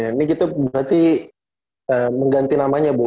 ini kita berarti mengganti namanya bu